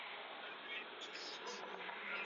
karibu wamepoteza kabisa sifa za asili za kabila